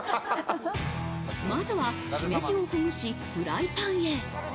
まずは、しめじをほぐし、フライパンへ。